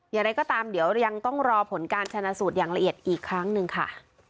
อย่างไรก็ตามเดี๋ยวยังต้องรอผลการชนะสูตรอย่างละเอียดอีกครั้งหนึ่งค่ะ